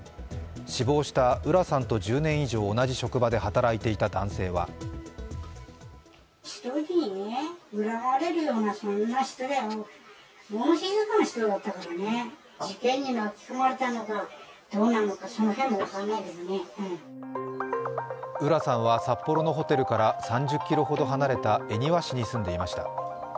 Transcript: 死亡した浦さんと１０年以上同じ職場で働いていた男性は浦さんは札幌のホテルから３４ｋｍほど離れた恵庭市に住んでいました。